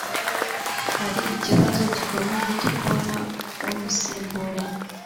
Hari ikibazo gikomeye cyo kubona umusimbura